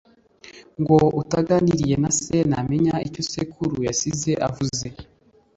ngo “utaganiriye na se ntamenya icyo sekuru yasize avuze”